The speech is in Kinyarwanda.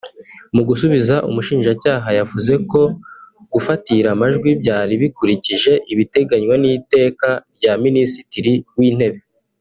Mu gusubiza umushinjacyaha yavuze ko gufatira amajwi byari bikurikije ibiteganywa n’iteka rya Minisitiri w’Intebe